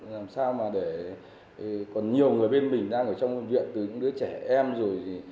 làm sao mà để còn nhiều người bên mình đang ở trong viện từ những đứa trẻ em rồi